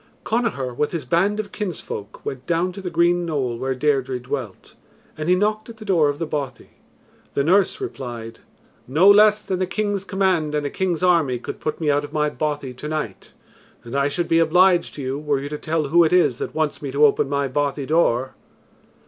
Connachar with his band of kinsfolk went down to the green knoll where Deirdre dwelt and he knocked at the door of the bothy. The nurse replied, "No less than a king's command and a king's army could put me out of my bothy to night. And I should be obliged to you, were you to tell who it is that wants me to open my bothy door."